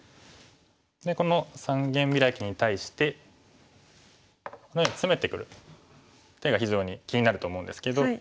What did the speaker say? でこの三間ビラキに対してこのようにツメてくる手が非常に気になると思うんですけど。